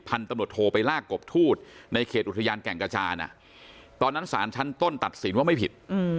ตำรวจโทรไปลากกบทูตในเขตอุทยานแก่งกระจานตอนนั้นสารชั้นต้นตัดสินว่าไม่ผิด